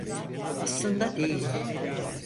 Aslında değil.